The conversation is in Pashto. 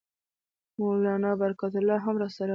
مولنا برکت الله هم راسره وو.